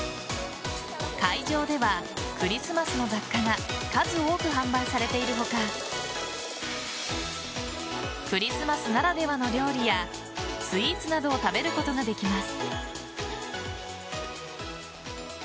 会場ではクリスマスの雑貨が数多く販売されている他クリスマスならではの料理やスイーツなどを食べることができます。